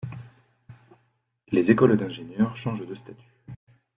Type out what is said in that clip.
Les écoles d’ingénieurs changent de statut.